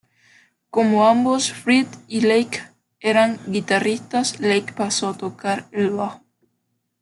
Como ambos Fripp y Lake eran guitarristas, Lake pasó a tocar el bajo.